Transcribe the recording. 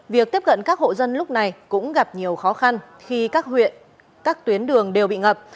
việc tiếp cận các hộ dân lúc này cũng gặp nhiều khó khăn khi các huyện các tuyến đường đều bị ngập